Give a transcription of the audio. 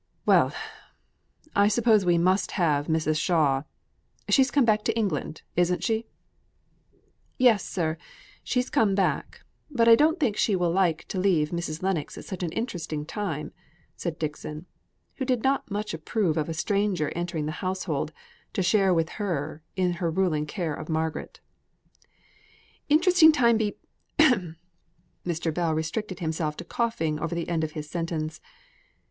"Well! I suppose we must have Mrs. Shaw; she's come back to England, isn't she?" "Yes, sir, she's come back; but I don't think she will like to leave Mrs. Lennox at such an interesting time," said Dixon, who did not much approve of a stranger entering the household, to share with her in her ruling care of Margaret. "Interesting time be ." Mr. Bell restricted himself by coughing over the end of his sentence.